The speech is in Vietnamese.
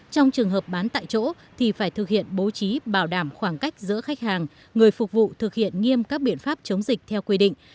trong trường hợp bán tại chỗ thì phải thực hiện bố trí bảo đảm khoảng cách giữa khách hàng người phục vụ thực hiện nghiêm các biện pháp chống dịch theo quy định